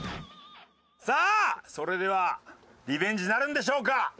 さあそれではリベンジなるんでしょうか？